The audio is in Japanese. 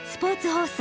放送